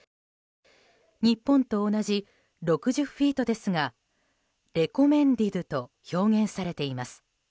日本と同じ６０フィートですが「Ｒｅｃｏｍｍｅｎｄｅｄ」と表現されています。